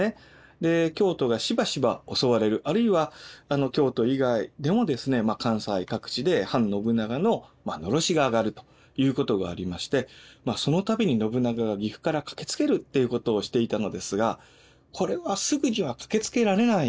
で京都がしばしば襲われるあるいは京都以外でも関西各地で反信長ののろしが上がるということがありましてそのたびに信長が岐阜から駆けつけるっていうことをしていたのですがこれはすぐには駆けつけられないんですよね。